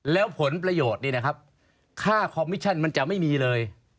แล้วผลประโยชน์นี่นะครับค่าคอมมิชชั่นมันจะไม่มีเลย